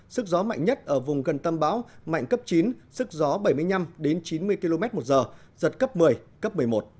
sức gió mạnh nhất ở vùng gần tâm bão mạnh cấp chín sức gió bảy mươi năm chín mươi km một giờ giật cấp một mươi cấp một mươi một